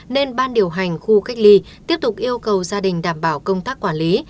nên ban điều hành khu cách ly tiếp tục yêu cầu gia đình đảm bảo công tác quản lý